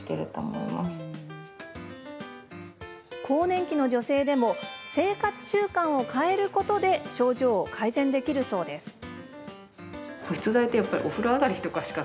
更年期の女性でも生活習慣を変えることで症状を改善できるそうです。